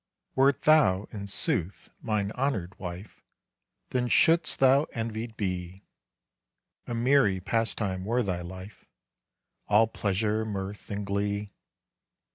Wert thou, in sooth, mine honored wife, Then shouldst thou envied be; A merry pastime were thy life All pleasure, mirth, and glee.